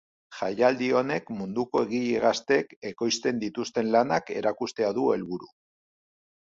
Jaialdi honek munduko egile gazteek ekoizten dituzten lanak erakustea du helburu.